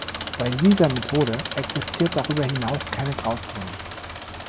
Bei dieser Methode existiert darüber hinaus keine Grauzone.